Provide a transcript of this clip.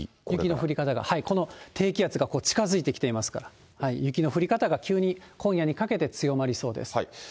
雪の降り方が、この低気圧が近づいてきてますから、雪の降り方が急に今夜にかけて強まりそうです。